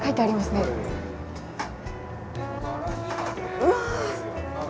うわ！